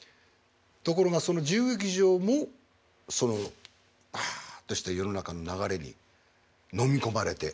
ところがその自由劇場もそのワッとした世の中の流れにのみ込まれて。